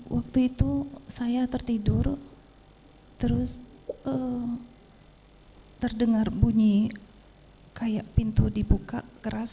waktu itu saya tertidur terus terdengar bunyi kayak pintu dibuka keras